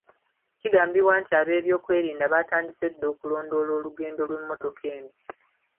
Kigambibwa nti ab'ebyokwerinda baatandise dda okulondoola olugendo lw'emmotoka eno.